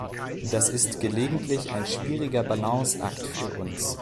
Das ist gelegentlich ein schwieriger Balanceakt für uns.